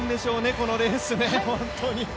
このレース、本当に。